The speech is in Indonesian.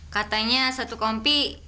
katanya satu kompi